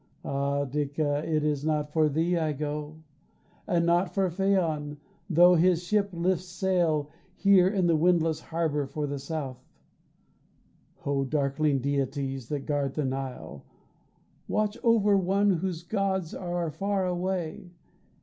Ah Dica, it is not for thee I go; And not for Phaon, tho' his ship lifts sail Here in the windless harbor for the south. Oh, darkling deities that guard the Nile, Watch over one whose gods are far away.